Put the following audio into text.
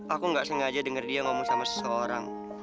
aku gak sengaja denger dia ngomong sama seseorang